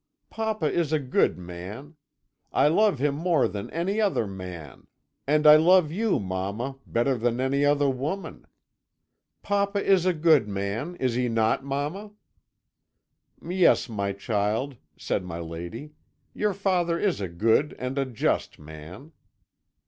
Papa is a good man. I love him more than any other man and I love you, mamma, better than any other woman. Papa is a good man, is he not, mamma?' "'Yes, my child,' said my lady, 'your father is a good and a just man.'